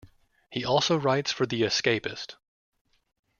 He also writes for "The Escapist".